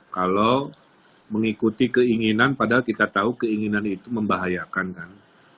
kalau mengikuti keinginan padahal kita tahu keinginan itu membahayakan kan